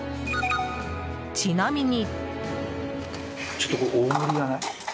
ちなみに。